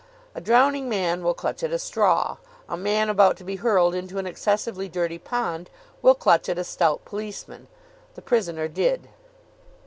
A drowning man will clutch at a straw. A man about to be hurled into an excessively dirty pond will clutch at a stout policeman. The prisoner did.